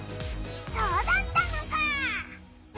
そうだったのか！